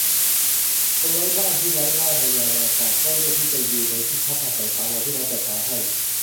คนไร้บ้านที่ไร้บ้านมายาวนาน ต่างก็เลือกที่จะอยู่ในที่พักอาศัยถาวรที่รัฐจัดหาให้